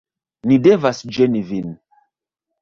Ni devas ĝeni vin